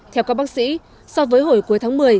theo các bác sĩ so với hồi cuối tháng một mươi